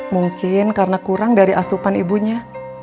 mungkin karena kurang dari asupan ibunya